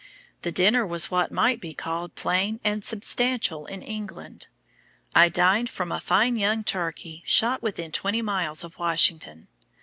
The dinner was what might be called plain and substantial in England; I dined from a fine young turkey, shot within twenty miles of Washington.